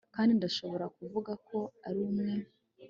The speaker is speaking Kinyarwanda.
kandi ndashobora kuvuga ko ari umwere